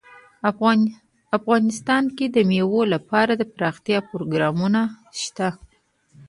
افغانستان کې د مېوې لپاره دپرمختیا پروګرامونه شته.